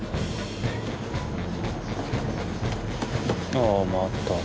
ああ回った。